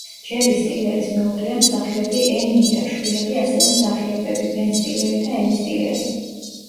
ჯერი სტილერის მეუღლეა მსახიობი ენ მირა, შვილები: ასევე მსახიობები ბენ სტილერი და ემი სტილერი.